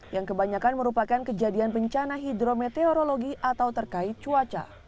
yang kebanyakan merupakan kejadian bencana hidrometeorologi atau terkait cuaca